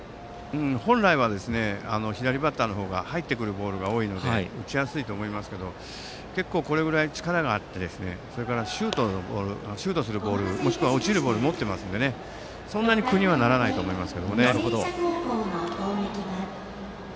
本来は左バッターの方が入ってくるボールが多いので打ちやすいと思いますが力があってそれからシュートするボールもしくは落ちるボールを持っていますのでそんなに苦にならないと思います。